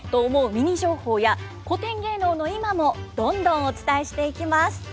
ミニ情報や古典芸能の今もどんどんお伝えしていきます。